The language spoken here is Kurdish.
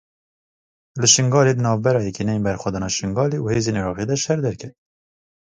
Li Şingalê di navbera Yekîneyên Berxwedana Şingalê û hêzên Iraqî de şer derket.